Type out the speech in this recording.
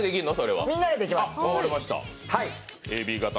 みんなでできます。